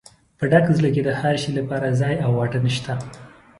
په ډک زړه کې د هر شي لپاره ځای او واټن شته.